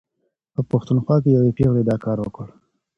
په پښتونخوا کې یوې پېغلې دا کار وکړ.